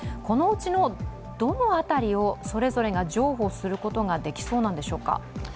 このうちのどの辺りをそれぞれが譲歩することができそうなんでしょうか？